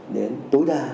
đến tối đa